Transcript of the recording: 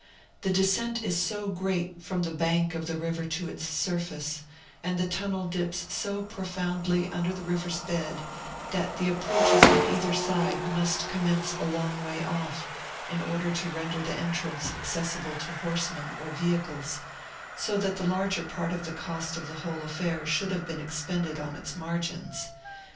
The descent is so great from the bank of the river to its surface, and the Tunnel dips so profoundly under the river's bed, that the approaches on either side must commence a long way off, in order to render the entrance accessible to horsemen or vehicles; so that the larger part of the cost of the whole affair should have been expended on its margins.